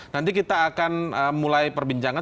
nanti kita akan mulai perbincangan